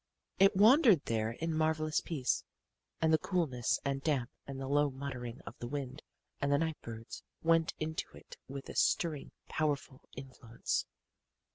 It wandered there in marvelous peace. And the coolness and damp and the low muttering of the wind and the night birds went into it with a stirring, powerful influence.